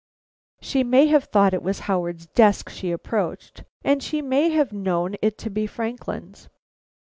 She may have thought it was Howard's desk she approached, and she may have known it to be Franklin's.